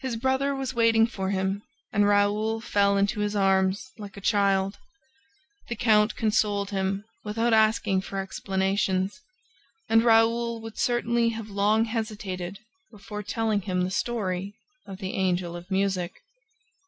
His brother was waiting for him and Raoul fell into his arms, like a child. The count consoled him, without asking for explanations; and Raoul would certainly have long hesitated before telling him the story of the Angel of Music.